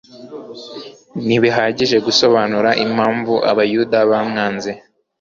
ntibihagije gusobanura impamvu abayuda bamwanze.